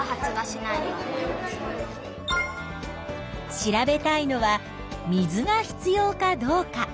調べたいのは水が必要かどうか。